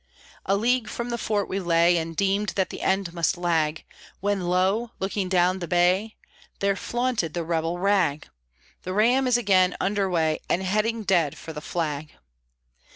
A league from the Fort we lay, And deemed that the end must lag, When lo! looking down the Bay, There flaunted the Rebel Rag; The Ram is again under way And heading dead for the Flag!